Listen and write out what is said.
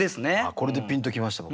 これでピンと来ました僕。